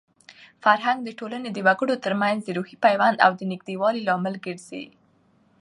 فرهنګ د ټولنې د وګړو ترمنځ د روحي پیوند او د نږدېوالي لامل ګرځي.